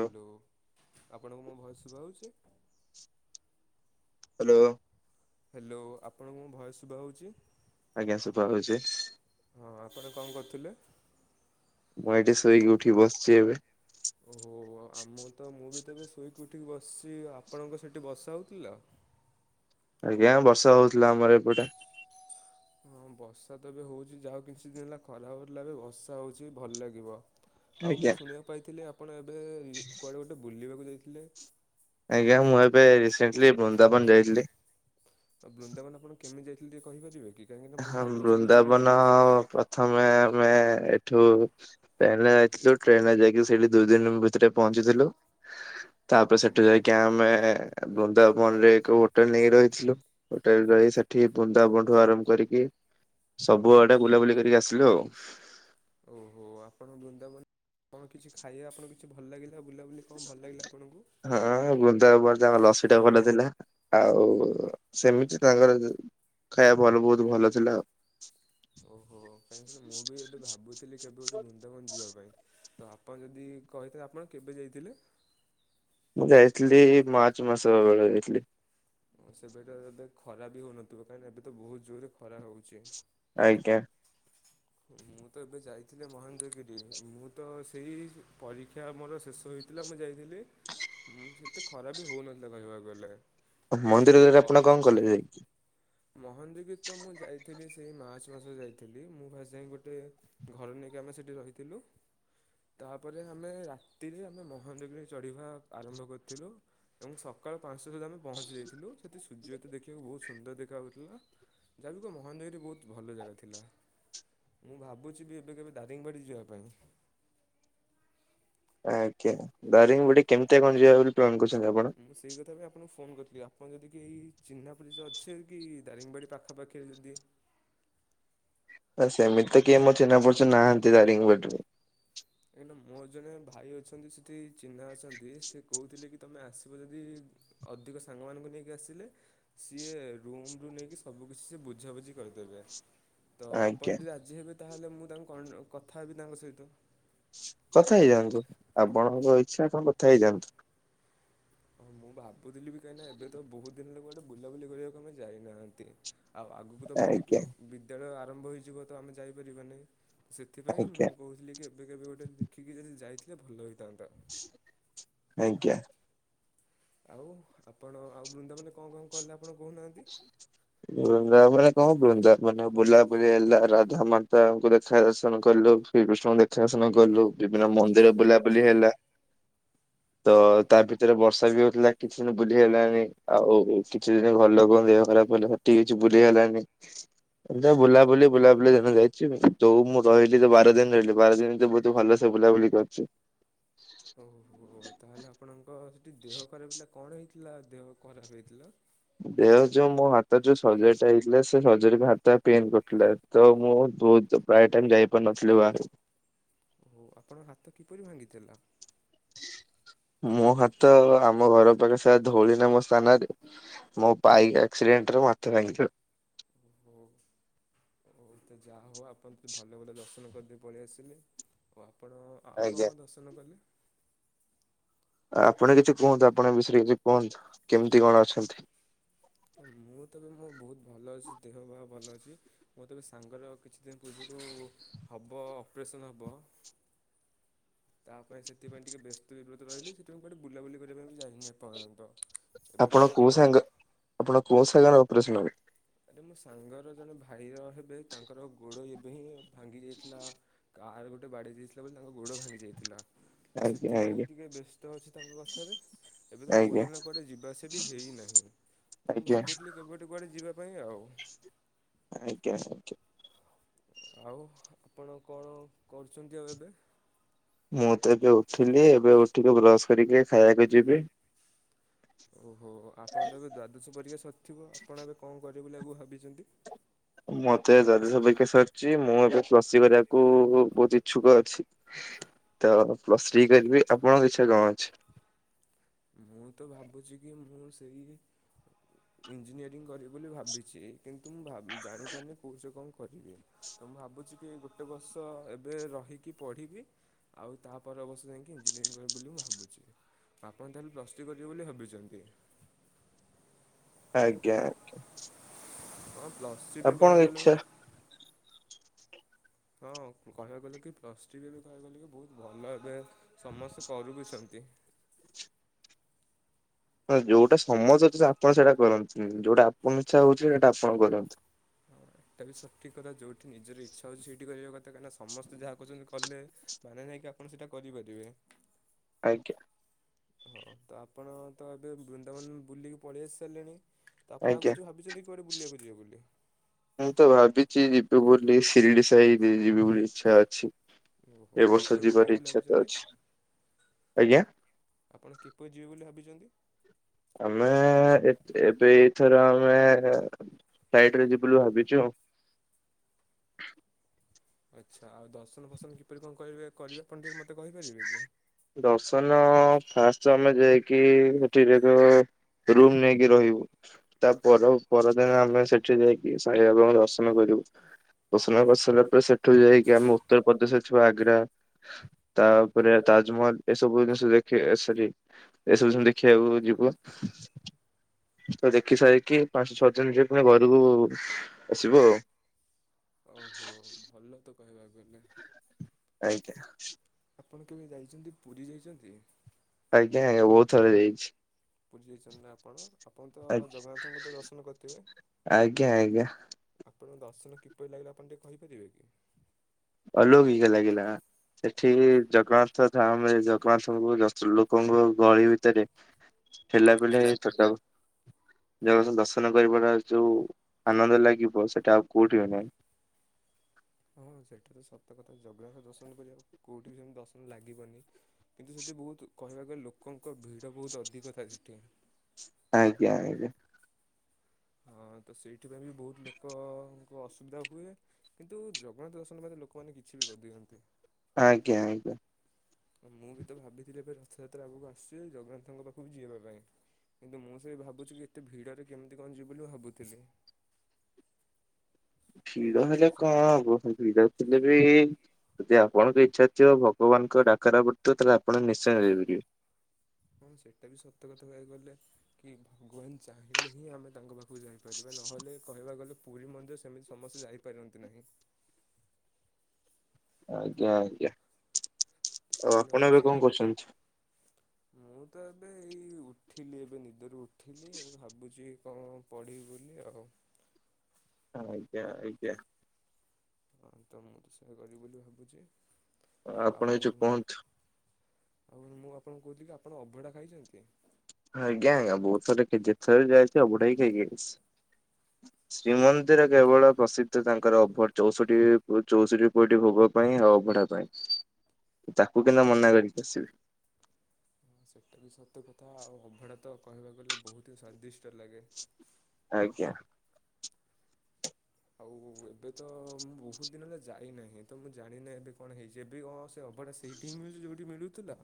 Hello, ଆପଣଙ୍କୁ ମୋ voice ଶୁଭା ହଉଛି। ହ୍ୟାଲୋ। ହ୍ୟାଲୋ ଆପଣଙ୍କଙ୍କୁ ମୋ ଭଏସ ଶୁଭା ହଉଛି? ଆଜ୍ଞା ଶୁଭ ହଉଛି। ହଁ, ଆପଣ କଣ କରୁଥିଲେ? ମୁଁ ଏଠି ଶୋଇକି ଉଠିକି ବସିଛି ଏବେ। ଓହୋ। ଆମ ତ ମୁଁ ବି ତବେ ଶୋଇକି ଉଠିକି ବସିଛି ଆପଣଙ୍କ ସେଠି ବର୍ଷା ହଉଥିଲା। ଆଜ୍ଞା, ବର୍ଷା ହଉଥିଲା ଆମର ଏପଟେ। ହଁ ବର୍ଷା ତ ଏବେ ହଉଛି ଯାହା ହୋଉ କିଛି ଦିନ ହେଲା ଖରାପ ହେଲା ବି ବର୍ଷା ହଉଛି ଭଲ ଲାଗିବ। ଆଉ ଆଜ୍ଞା। ମୁଁ ଶୁଣିବାକୁ ପାଇଥିଲି, ଆପଣ ଏବେ କୁଆଡ଼େ ଗୋଟେ ବୁଲିବାକୁ ଯାଇଥିଲେ? ଆଜ୍ଞା, ମୁଁ ଏବେ ରିସେଣ୍ଟଲି ବୃନ୍ଦାବନ ଯାଇଥିଲି। ଆଉ ବୃନ୍ଦାବନ ଆପଣ କେମିତି ଯାଇଥିଲେ, କହିପାରେ କି? କାହିଁକିନା ମୁଁ ହିଁ, ଭାବୁଛି ବି ଯିବି ବୃନ୍ଦାବନ ବୋଲି ପ୍ରଥମେ ଆମେ ଏଠୁ ଟ୍ରେନରେ ଯାଇଥିଲୁ। ଟ୍ରେନରେ ଯାଇକି ସେଇଠି ଦୁଇ ଦିନ ଭିତରେ ପହଞ୍ଚିଥିଲୁ। [inaudible] ତାପରେ ସେଠୁ ଯାଇକି ଆମେ ବୃନ୍ଦାବନ ରେ ଏକ ହୋଟେଲ ନେଇକି ରହିଥିଲୁ। ହୋଟେଲ ରହି ସେଠି ବୃନ୍ଦାବନଠାରୁ ଆରମ୍ କରିକି ସବୁଆଡେ ବୁଲାବୁଲି କରିକି ଆସିଲୁ ଆଉ। ଓହୋ ଆପଣଙ୍କ ବୃନ୍ଦାବନରେ କଣ କିଛି ଖାଇବା ଆପଣଙ୍କୁ କିଛି ଭଲ ଲାଗିଛି। ହଁ ବୁନ୍ଦବନରେ ଲସି ଟା ଭଲ ଥିଲା। ଆଉ ସେମିତି ତାଙ୍କର ଖାଇବା ଭଲ ବହୁତ ଭଲ ଥିଲା ଆଉ। ଓହୋ, କାହିଁକି ନା ମୁଁ ବି ଏବେ ଭାବୁଥିଲି କେବେ ଗୋଟେ ବୃନ୍ଦାବନ ଯିବା ପାଇଁ। ତ ଆପଣ ଯଦି କହିଥା ଆପଣ କେବେ ଯାଇଥିଲେ? ମୁଁ ଯାଇଥିଲି ମାର୍ଚ୍ଚ ମାସ ବେଳେ ଯଇଥିଲି। ଉ ସେବେଟା ଏବେ ଖରା ବି ହଉନଥିବ କାହିଁକି ଏବେ ତ ବହୁତ ଜୋରରେ ଖରା ରହିଛି। ଆଜ୍ଞା। ମୁଁ ତ ଏବେ ଯାଇଥିଲି ମହେନ୍ଦ୍ରଗିରି। ମୁଁ ତ ସେଇ ପରୀକ୍ଷା ମୋର ଶେଷ ହୋଇ ଥିଲା ମୁଁ ଯାଇଥିଲି ସେତେ ଖରାବି ହଉନଥିଲା କହିବାକୁ ଗଲେ। ମନ୍ଦିରରେ ଆପଣ କଣ କଲେ ଯାଇକି? ମୋହନଦୀ ତ ମୁଁ ଯାଇଥିଲି ସେଇ ମାର୍ଚ୍ଚ ମାସ ଯାଇଥିଲି। ମୁଁ ଫାଷ୍ଟ ଯାଇ ଗୋଟେ ଘରେ ନେଇ ଯାଇକି ଆମେ ସେଠି ରହିଥିଲୁ। ତାପରେ ଆମେ ରାତିରେ ଆମେ ମୋହଗରେ ଚଢିବା ଆରମ୍ଭ କରିଥିଲୁ। ଏବଂ ସକାଳ ପାଞ୍ଚଟା ସୁଦ୍ଧା ଆମେ ପହଞ୍ଚିଯାଇଥିଲୁ। ସେଠି ସୂର୍ଯ୍ୟ ତ ଦେଖିବାକୁ ବହୁତ ସୁନ୍ଦର ଦେଖ ଦେଖାଥିଲା ଯାହା ଯୁକ ମହନ୍ଦଗିରି ବହୁତ ଭଲ ଜାଗା ଥିଲା। ମୁଁ ଭାବୁଛି ବି ଏବେ କେବେ ଦାରିଙ୍ଗବାଡ଼ି ଯିବା ପାଇଁ। ଆ କେ ଦାରଙ୍ଗବାଡ଼ି କେମିତି କଣ ଯିବେ ବୋଲି ପ୍ଲାନ୍ କରି ମୁଁ ସେଇ କଥା ପାଇଁ ଆପଣଙ୍କୁ ଫୋନ କରିଥିଲି। ଆପଣ ଯଦି କି ଏଇ ଚିହ୍ନାପରି ଯ ଅଛେ କି ଦାରିଙ୍ଗବାଡ଼ି ପାଖାପାଖିରେ ଯଦି [inaudible] ସେମିତି ତ କିଏ ମୋର ଚିହ୍ନା ପରିଚ ନାହାନ୍ତି। ଦାରିଙ୍ଗବାଡ଼ିରେ। ଏ ମୋ ଜଣେ ଭାଇ ଅଛନ୍ତି। ସେଠି ଚିହ୍ନା ଅଛନ୍ତି ସେ କହୁଥିଲେ କି ତମେ ଆସିବ ଯଦି ଅଧିକ ସାଙ୍ଗ ମାନଙ୍କୁ ନେଇକି ଆସିଲେ, ସିଏ ରୁମ ରୁ ନେଇକି ସବୁ କିଛି ସେ ବୁଝାବୁଝି କରି ତ ଆପଣ ଆଜ୍ଞା ଯଦି ରାଜି ହେବେ, ତାହେଲେ ମୁଁ ତାଙ୍କୁ କଥା ହେବି ତାଙ୍କ ସହିତ। କଥା ହେଇଯାଆନ୍ତୁ। ଆପଣଙ୍କ ଇଚ୍ଛା କଣ କଥା ହେଇଯାଆନ୍ତୁ। ହଁ ମୁଁ ଭାବୁଥିଲି ବି କାହିଁକିନା ଏବେ ତ ବହୁତ ଦିନହେଲା ଗୋଟେ ବୁଲାବୁଲି କରିବାକୁ ଆମେ ଯାଇନାହାନ୍ତି। ଆଉ ଆଗକୁ ତ ପୁଣି ଆଜ୍ଞା ବିଦ୍ୟାଳୟ ଆରମ୍ଭ ହେଇଯିବ। ତ ଆମେ ଯାଇପାରିବା ନହିଁ। ସେଥିପାଇଁ ଆଜ୍ଞା ମୁଁ କହୁଥିଲି କି ଏବେ କେବେ ଗୋଟେ ଦେଖିକି ଯଦି ଯାଇଥିଲେ ଭଲ ହୋଇଥାନ୍ତଆ। ଆଜ୍ଞା। ଆଉ ଆପଣ ଆଉ ବୃନ୍ଦା ମାନେ କଣ କଣ କଲ? [unintelligible] ହଁ ବୃନ୍ଦା ମାନେ ବୁଲା ବୁଲି ହେଲା ରାଧା ମାତାଙ୍କୁ ଦେଖା ଦର୍ଶନ କଲୁ ଶ୍ରୀକୃଷ୍ଣଙ୍କୁ ଦେଖା କଣ କଲୁ ବିଭିନ୍ନ ମନ୍ଦିର ବୁଲାବୁଲି ହେଲା। [inaudible] ତ ତା ଭିତରେ ବର୍ଷା ବି ହଉଥିଲା କିଛି ଦିନ ବୁଲିହେ ଲାନି ଆଉ କିଛି ଦିନ ଭଲ ଦେହ ଖରାପ ହେଲାଠିକ କିଛି ବୁଲିଇ ହେଲାନି। ଏ ବୁଲାବୁଲି ବୁଲାବୁଲି ଦିନ ଯାଇଛି ତୋଉ ମୁଁ ରହିଲି ତ ବାର ଦିନ ରହିଲି ବାର ଦିନ ତ ବହୁତ ଭଲ ସେ ବୁଲା ବୁଲି କରିଛି। ଓହୋ ତାହେଲେ ଆପଣଙ୍କ ସେଠି ଦେହ ଖରାପ ହେଥିଲା କଣ ହେଇଥିଲା ଦେହ ଖରାପ ହେଇଥିଲା? ଦେହ ଯୋଉ ମୋ ହାତ ଯୋଉ ସର୍ଜରୀ ଟା ହେଇଥିଲା ସେ ସର୍ଜରୀ ହାତ ଟ ପେନ୍ କରିୁଥିଲା ତ ମୁଁ ତୁ ତ ପ୍ରାୟ ଟାଇମ ଯାଇ ପାରୁ ନଥିଲୁ ବାସ। ଓ ଆପଣଙ୍କ ହାତ କିପରି ଭାଙ୍ଗିଥିଲା? ମୋ ହାତ ଆମ ଘର ପାଖେ ସେ ଧଉଳିନା ମୋ ସ୍ଥାନରେ ମୋ ବାଇକ୍ ଆକ୍ସିଡେଣ୍ଟରେ ମୋ ହାତ ଭାଙ୍ଗିଥିଲା। ହୁଁ ତ ଯାହେଉ ଆପଣ ଭଲ ଭଲ ଦର୍ଶନ ଜଲଦି ପଳେଇ ଆସିଲି ଓ ଆପଣ ଆଉ କଣ ଆଜ୍ଞା କଣ ଦର୍ଶନ କଲେ? ଆପଣ କିଛି କୁହନ୍ତୁ ଆପଣ ବିଷୟରେ କିଛି କୁହନ୍ତୁ କେମିତି କଣ ଅଛନ୍ତି? ମୁଁ ମତେ ଏ ବେ ସାଙ୍ଗର କିଛି ଦିନ ପୂର୍ବରୁ ହବ ଅପରେସନ ହବ [inaudible] ତା ପାଇଁ ସେଥିପାଇଁ ଟିକେ ବ୍ୟସ୍ତ ବିବ୍ରତ ରହିଲି ସେଥିପାଇଁ କଆଡେ ବୁବୁଲି କରିବା ପାଇଁ ଯାଇନି ଏ ପର୍ଯ୍ୟନ୍ତ। ଆପଣ କୋଉ ସାଙ୍ଗ ଆପଣ କୋଉ ସାଙ୍ଗରେ ଅପରେସ ହବ? ଆରେ ମୋ ସାଙ୍ଗର ଜଣେ ଭାଇର ହେବେ ତାଙ୍କର ଗୋଡ ଏବେ ହିଁ ଭାଙ୍ଗି ଯାଇଥିଲା। କାରେ ଗୋଟେ ବାଦେଇ ଦେଇାଇଥିଲା ବୋଲି ତାଙ୍କ ଗୋଡ଼ ଭାଙ୍ଗି ଯାଇଥିଲା। ଆଜ୍ଞା ସେଥିପାଇଁ ଆଜ୍ଞା ଟିକେ ବ୍ୟସ୍ତ ଅଛି ତାଙ୍କ ପାଖରେ। ଏବେ ତ ବହୁତ ଆଜ୍ଞା ଦିନ କୁଆଡେ ଯିବା ଆସିବା ବି ହେଇନାହିଁ ତ ମୁଁ ଆଜ୍ଞା ଭାବୁଥିଲି କେବେ ଗେଟେ। କୁଆଡେ ଯିବା। ଦୁବାଇ ଆଉ। ଆଜ୍ଞା ଆଜ୍ଞା। ଆଉ ଆପଣ କଣ କରୁଛନ୍ତି ଆଉ ଏବେ? ମୁଁ ତ ଏବେ ଉଠିଲି ଏବେ ଉଠିକି ବ୍ରସ୍ କରିକି ଖାଇବାକୁ ଯିବି। ଓହୋ ଆପଣ ତ ଏବେ ଦ୍ଵାଦଶ ପରିକା ସତ ଥିବ ଆପଣ ଏବେ କଣ କରିବେ ବୋଲି ଆଗକୁ ଭାବିଛନ୍ତି? ମତେ ଦ୍ଵାଦଶ ବିକେ ସରିଚି ମୋର ପ୍ଲସ ଥ୍ରି କରିବାକୁ ବହୁତ ଇଛୁକ ଅଛି। ତ ପ୍ଲସ୍ ଥ୍ରୀ କରିବି ଆପଣଙ୍କ ଇଛା କଣ ଅଛି? ମୁଁ ତ ଭାବୁଚି କି ମୁଁ ସେଇ ଇଞ୍ଜିନିୟରିଂ କରିବି। ବୋଲି ଭାବିଚି କିନ୍ତୁ ମୁଁ ଭା ଜାଣି ପାରୁିନି କୋହୁଚ କଣ କରିବି ତ ମୁଁ ଭାବୁଚି କି ଏଇ ଗୋଟେ ବର୍ଷ ଏବେ ରହିକି ପଢ଼ିବି ଆଉ ତାପରେ ପ୍ରମୋଶନ ହେଇକି ଇଞ୍ଜିନିୟରିଙ୍ଗ କରିବି ବୋଲି ଭାବିଚି ବାବା ଙ୍କ ଦୟାରୁ ପ୍ଲସ ଚି କରିବ ବୋଲି ଭାବିଚନ୍ତି। ଆଜ୍ଞା ଆଜ୍ଞା। ଲସି ବି କହିବା କୁ ଗଲେ ହଁ କହିବାକୁ ଗଲେ କି ପ୍ଲସ ଟ୍ରି ବି କହିବା କଲେ କି ବହୁତ ଭଲ ଏବେ ସମସ୍ତେ କରୁବିଛନ୍ତି। ଏ ଏ ଯୋଉଟା ସମସ୍ତେ ଅଛନ୍ତି ଆପଣ ସେଇଟା କରନ୍ତିୁ ଯୋଉଟା ଆପଣଙ୍କ ଇଛା ହଉଛି ସେଇଟା ଆପଣ କରନ୍ତୁ। ହଁ ଏଟା ବି ସଠିକ କଥା ଯୋଉଠି ନିଜର ଇଛା ହଉଛି ସେଇଠି କରିବା କଥା କାହିଁ ସମସ୍ତେ ଯାହା କହୁଚନ୍ତି କଲେ ମାନେ ନାହିଁ କି ଆପଣ ସେଇଟା କରିପାରିବେ। ଆଜ୍ଞା। ହଁ ତ ଆପଣ ତ ଏବେ ବୃନ୍ଦାବନ ବୁଲିକି ପଳେଇ ଆସି ସାରିଲେଣି। ତ ଆପଣ ଆଉ ଆଜ୍ଞା କିଛି ଭାବିଛନ୍ତି କୁଆଡେ ବୁଲିବାକୁ ଯିବେ ବୋଲି ମୁଁ ତ ଭାବିଛି ଯିବି ବୋଲି ସିରିଡି ସାଇ ଯିବି ବୋଲି ଇଛା ଅଛି। ଓହୋ ଏ ବର୍ଷ କିପରି ଭଳି ଯିବାର ଯିବେ ବୋଲି ଇଚ୍ଛା ତ ଭାବିଛନ୍ତି? ଅଛି ଆଜ୍ଞା ଆପଣ କିପରି ଯିବେ ବୋଲି ଭାବିଛ ଆମେ ଏ ଏବେ ଏଇଥର ଆମେ ଫ୍ଲାଇଟରେ ଯିବୁ ବୋଲି ଭାବିଚୁ। ଆଚ୍ଛା ଆଉ ଦର୍ଶନ ଫର୍ସନ କିପରି କଣ କରିବେ କରିବେ ଆପଣ ଟିକେ ମତେ ଦର୍ଶନ ଫାଷ୍ଟ ଆମେ ଯାଇକି ହେଟି ରେଗ ରୁମ୍ ନେଇକି ରହିବୁ ତା ପର ପରଦିନ ଆମେ ସେଠି ଯାଇକି ସାଇବାବାଙ୍କୁ ଦର୍ଶନ କରି ଦର୍ଶନ କରିସାରିଲା ପରେ ସେଠୁ ଯାଇକି ଆମେ ଉତ୍ତରପଦେଶରେ ଠୁ ଆଗ୍ରା ତାପରେ ତାଜମହଲ ଏ ସବୁ ଜିନିଷ ଦେଖି ସରି ଏସବୁ ଜିନି ଦେଖିବାକୁ ଯିବୁ ତ ଦେଖି ସାରିକି ପାଞ୍ଚ ଛଅ ଦିନ ଯିବୁ ପୁଣି ଘରକୁ ଆସିବୁ ଆଉ ଓହୋ ଭଲ ତ କହିବାକୁ ଗଲେ। ଆଜ୍ଞା। ଆପଣ କେବେ ଯାଇଚନ୍ତି ପୁରୀ ଯାଇଚନ୍ତି? ଆଜ୍ଞା ଆଜ୍ଞା ବହୁତ ଥର ଯାଇଚି। ପୁରୀ ଯାଇଚନ୍ତି ନା ଆପଣ ଆପଣ ତ ଜଗନ୍ନାଥଙ୍କୁ ତ ଦର୍ଶନ କରିଥିବେ? ଆଜ୍ଞା ଆଜ୍ଞା। ଆପଣଙ୍କ ଦର୍ଶନ କିପରି ଲାଗିଲା ଆପଣ ଟିକେ କହିପାରିବେ କି? ଅଲୋକିକୋ ଲାଗିଲା। ସେଠି ଜଗନ୍ନାଥ ଧାମ ରେ ଜଗନ୍ନାଥଙ୍କୁ ଦର୍ଶ ଲୋକଙ୍କ ଗଳି ଭିତରେ ଠେଲା ପେଲା ହେଲା ହେଇ ଛୋଟ ଜଗନ୍ନାଥ ଙ୍କୁ ଦର୍ଶନ କରିବା ଟା ଯୋଉ ଆନନ୍ଦ ଲାଗିବ ସେଟା ଆଉ କୋଉଠି ବି ନାହିଁ। ହଁ ସେଇଟା ତ ସତ କଥା ଜଗନ୍ନାଥ ଦର୍ଶନ କରିବା କଉଠି ବି ସେମତି ଦର୍ଶନ ଲାଗିବନି କିନ୍ତୁ ସେଠି ବହୁତ କହିବାକୁ ଗଲେ ଲୋକଙ୍କ ଭିଡ଼ ବହୁତ ଅଧିକ ଥାଏ ସେଠି ଆଜ୍ଞା ଆଜ୍ଞା। ହଁ। ହଁ ତ ସେଇଠି ପାଇଁ ବି ବହୁତ ଲୋକଙ୍କୁ ଅସୁବିଧା ହୁଏ କିନ୍ତୁ ଜଗନ୍ନାଥ ଦର୍ଶନ ମାନେ ଲୋକମାନେ କିଛି ବି କରିଦେଇଛନ୍ତି। ଆଜ୍ଞା ଆଜ୍ଞା। ମୁଁ ବି ତ ଭାବିଥିଲି ଏବେ ରଥଯାତ୍ରା ଆଗକୁ ଆସୁଚି ଜଗନ୍ନାଥଙ୍କ ପାଖକୁ ଯିିବା ପାଇଁ। କିନ୍ତୁ ମୁଁ ସେ ଭାବୁଛି କି ଏତେ ଭିଡରେ କେମିତି କଣ ଯିବି ବୋଲି ଭାବୁଥିଲି। ତ ଭିଡ ହେଲେ ଦେଖାଯାଉ କଣ ହବ ଭିଡଥିଲେ ବି ଯଦି ଆପଣଙ୍କ ଇଚ୍ଛା ଥିବ ଭଗବାନଙ୍କ ଡାକରା ପଡଥିବ ତାହେଲେ ଆପଣ ନିଶ୍ଚୟରେ ଯିବେ। ହଁ ସେଇଟା ବି ସତ କଥା କହିବାକୁ ଗଲେ କି ଭଗବାନ ଚାହିଁଲେ ହିଁ ଆମେ ତାଙ୍କ ପାଖକୁ ଯାଇପାରିବା ନହେଲେ କହିବାକୁ ଗଲେ ପୁରୀ ମନ୍ଦିର ସେମିତି ସମସ୍ତେ ଯାଇପାରନ୍ତି ନାହିଁ। ଆଜ୍ଞା ଆଜ୍ଞା ତ ଆଉ ସେଥିପାଇଁ ଆପଣ ଏବେ ଅଛି କି କଣ କରଚନ୍ତି? ମୁଁ ତ ଏବେ ଏଇ ଉ ଉଠିଲି ଏବେ ନିଦରୁ ଉଠିଲି ଏବେ ଭାବୁଛି କଣ ପଢିବି ବୋଲି ଆଉ ହଁ ଆଜ୍ଞା ଆଜ୍ଞା। ହଁ ତ ମୁଁ ତ ସେୟା କରିବି ବୋଲି ଭାବୁଛଚି ଆଉ ଆପଣ କିଛି କୁହନ୍ତୁ। ଆଉ ମୁଁ ଆପଣଙ୍କୁ କହୁଥିଲ କି ଆପଣ ଅଭଡ଼ା ଖାଇଚନ୍ତି? ଆଜ୍ଞା ଆଜ୍ଞା ବହୁଥର ଖାଇ ଯେତେ ଥର ଯାଇଛି ଆବଢା ହିଁ ଖାଇକି ଆଇଚି। ଶ୍ରୀମନ୍ଦିର କେବଳ ପ୍ରସିଦ୍ଧ ତାଙ୍କର ଅଭ ଚଉଷଠି ଚଉଷଠି କୋଟି ଭୋଗ ପାଇଁ ଆଉ ଅ ଭଡା ପାଇଁ ତାକୁ କେମତି ମନା କରିକି ଆସିବି। ସେଇଟା ବି ସତ କଥା ଆଉ ଅଭଢା ତ କହିବାକୁ ଗଲେ ବହୁତି ସ୍ଵାଦିଷ୍ଟ ଲାଗେ। ଆଜ୍ଞା। ଆଉ ଏବେ ତ ମୁଁ ବହୁତ ଦିନ ହେଲା ଯାଇନାହିଁ ତ ମୁଁ ଜାଣିନାହିଁ ଏବେ କଣ ହେଇଛି ଏବେ କଣ ସେ ଅଭଡ଼ା ସେଇଟି ହିଁ ମିଳୁଛି ଯୋଉଠି ମିଳୁଥିଲା?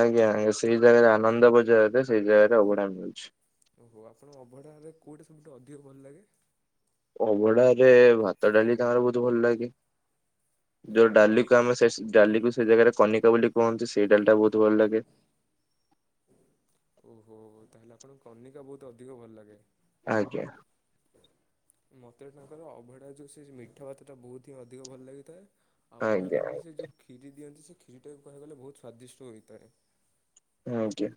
ଆଜ୍ଞା ଆଜ୍ଞା ସେଇ ଜାଗାରେ ଆନନ୍ଦ ବଜାରେ ସେଇ ଜାଗାରେ ଅଭଢା ମିଳୁଚି। ଓହୋ ଆପଣଙ୍କୁ ଅଭଢା ରେ କୋଉଟା ସବୁଠୁ ଅଧିକ ଭଲ ଲାଗେ? ଅଭଡ଼ା ରେ ଭାତ ଡାଲି ତାଙ୍କର ବହୁତ ଭଲ ଲାଗେ ଯୋଉ ଡାଲି ଆଉ କ ଆମେ ସେ ଡାଲି କୁ ସେ ଜାଗାରେ କନିକା ବୋଲି କୁହନ୍ତି ସେଇ ଡାଲିଟା ବହୁତ ଭଲ ଲାଗେ। ଓ ହୋ ତାହେଲେ ଆପଣଙ୍କୁ କନିକା ବହୁତ ଅଧିକ ଭଲ ଲାଗେ। ଆଜ୍ଞା। ମତେ ତାଙ୍କର ଅଭଡା ଯୋଉ ସେ ମିଠା ଭାତ ଟା ବହୁତ ହିଁ ଅଧିକ ଭଲ ଲାଗିଥାଏ। ଆଉ ଆଜ୍ଞା କହିବାକୁ ଗଲେ ସେ ଯୋଉ କ୍ଷିରି ଦିଅନ୍ତି ସେ କ୍ଷିରି ଟାକୁ କହିବାକୁ ଗଲେ ବହୁତ ସ୍ଵାଦିଷ୍ଟ ହୋଇଥାଏ। ହଁ ଆଜ୍ଞା।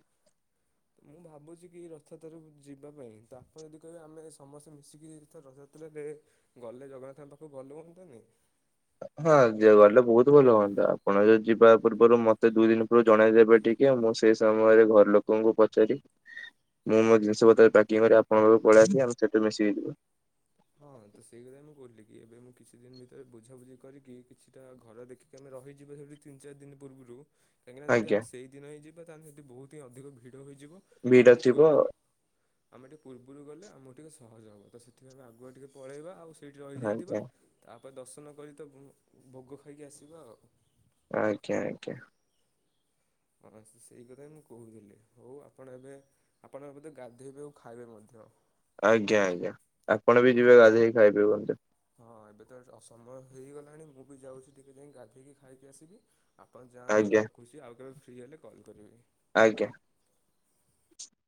ମୁଁ ତ ଭାବୁଛି କି ରଥଯାତ୍ରାକୁ ଯିବା ପାଇଁ ତ ଆପଣ ଯଦି କହିବେ ଆମେ ସମସ୍ତେ ମିଶିକି ରଥଯାତ୍ରାରେ ଗଲେ ଜଗନ୍ନାଥଙ୍କ ପାଖକୁ ଭଲ ହୁଅନ୍ତାନି। ହଁ ଗଲେ ବହୁତ ଭଲ ହୁଅନ୍ତା ଆପଣ ଯଦି ଯିବା ପୂର୍ବରୁ ମତେ ଦୁଇ ଦିନ ପୂର୍ଵରୁ ଜଣେଇ ଦେବେ ଟିକେ ମୁଁ ସେଇ ସମୟରେ ଘର ଲୋକଙ୍କୁ ପଚାରି ମୁଁ ମୋ ଜିନିଷ ପତ୍ର ପ୍ୟାକିଂ କରି ଆପଣଙ୍କ ପାଖକୁ ପଳେଇଆସିବି ଆମେ ସେଠୁ ମିଶିକି ଯିବା। ହଁ ତ ସେଇ କଥା ମୁଁ କହି କି ଏବେ ମୁଁ କିଛି ଦିନ ଭିତରେ ବୁଝାବୁଝି କରିକି କିଛିଟା ଘର ଦେଖିକି ଆମେ ରହିଯିବା ଯିବା ସେଠି ତିନି ଚାରି ଦିନ ପୂର୍ବରୁ କହିଁକିନା ଯଦି ଆଜ୍ଞା ଆମ ସେଇ ଦିନି ଯିବା ତାହେଲେ ସେଠି ବହୁ ହି ଅଧିକ ଭି ହୋଇଯିବ ଭିଡ ଆମେ ଟିକେ ଥିବ ପର୍ବ ଆମେ ଟିକେ ପୂର୍ବରୁ ଗଲେ ଆମକୁ ଟିକେ ସହଜ ହେବ ତ ସେଥିପାଇଁ ଆମେ ଆଗୁଆ ଟିକେ ପଳେଇବା ଆଉ ସେଇଠି ରହିଯାଇଥିବା ଆଜ୍ଞା ତାପରେ ଦର୍ଶନ କରି ତ ଭୋଗ ଖାଇକି ଆସିବା ଆଉ। ଆଜ୍ଞା ଆଜ୍ଞା। ହଁ ସେଇ କଥା ହିଁ ମୁଁ କହୁଥିଲି ହଉ ଆପଣ ଏବେ ଆପଣ ଏ ବୋଧେ ଗାଧେଇବେ ଆଉ ଖାଇବେ ମଧ୍ୟ। ଆଜ୍ଞା ଆଜ୍ଞା ଆପଣ ବି ହଁ। ଯିବେ ଗାଧେଇକି ଖାଇ ଦିଅନ୍ତୁ। ଅସମୟ ହେଇଗଲାଣି ମୁଁ ବି ଯାଉଛି ଟିକେ ଯାଇକି ଗାଧେଇକି ଖାଇକି ଆସିବି। ଆପଣ ଯାଆନ୍ତୁ ମୁଁ ଆଜ୍ଞା ରଖୁଛି ଆଉ କେବେ ଫ୍ରି ହେଲେ କଲ୍ କରିବି। ଆଜ୍ଞା।